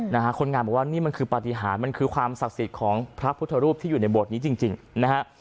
นะฮะคนงานบอกว่านี่มันคือปฏิหารมันคือความศักดิ์สิทธิ์ของพระพุทธรูปที่อยู่ในโบสถนี้จริงจริงนะฮะ